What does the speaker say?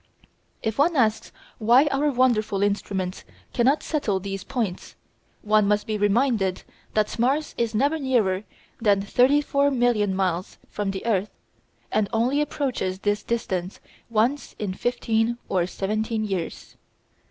If one asks why our wonderful instruments cannot settle these points, one must be reminded that Mars is never nearer than 34,000,000 miles from the earth, and only approaches to this distance once in fifteen or seventeen years.